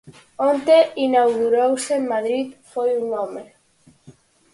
Onte inaugurouse en Madrid "Foi un home".